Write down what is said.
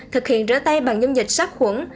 thực hiện rỡ tay bằng dung dịch sát khuẩn